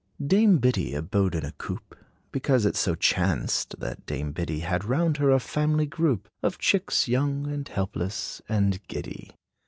Dame Biddy abode in a coop, Because it so chanced, that dame Biddy Had round her a family group Of chicks, young, and helpless and giddy.